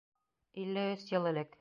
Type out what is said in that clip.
Илле өс йыл элек!